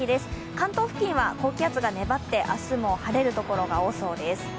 関東付近は高気圧が粘って明日も晴れるところが多そうです。